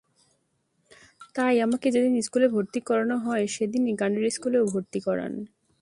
তাই আমাকে যেদিন স্কুলে ভর্তি করানো হয়, সেদিনই গানের স্কুলেও ভর্তি করান।